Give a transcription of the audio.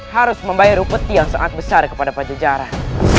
harus membayar upeti yang sangat besar kepada pancenjaran